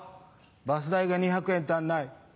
バス代が２００円足んない。